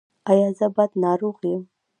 ایا زه بد ناروغ یم؟